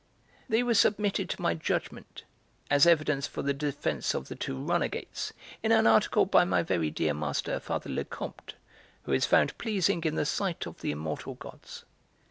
They were submitted to my judgment, as evidence for the defence of the two runagates, in an article by my very dear master Father Lecomte, who is found pleasing in the sight of the immortal gods.